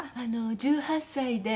１８歳で。